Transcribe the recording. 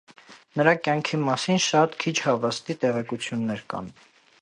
Նրա կյանքի մասին շատ քիչ հավաստի տեղեկություններ կան։